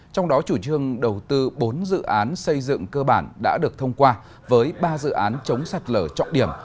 trong đó chủ trương đầu tư bốn dự án xây dựng cơ bản đã được thông qua với ba dự án chống sạt lở trọng điểm